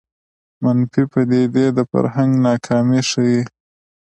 منفي پدیدې د فرهنګ ناکامي ښيي